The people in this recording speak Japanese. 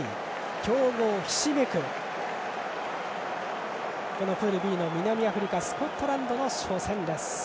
強豪ひしめくプールＢの南アフリカ、スコットランドの初戦です。